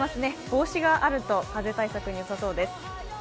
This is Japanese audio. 帽子があると風対策によさそうです。